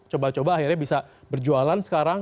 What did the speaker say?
coba coba akhirnya bisa berjualan sekarang